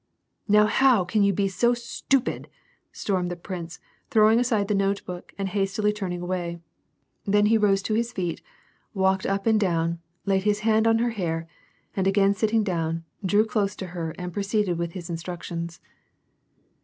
" Now, how can you be so stupid !" stormed the prince, throwing aside the note book and hastily turning away ; then he rose to his feet, walked up and down, laid his hand on her hair, and again sitting down, drew close to her and proceeded with his instructions.